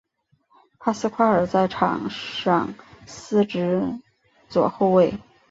帕斯夸尔在场上司职左后卫。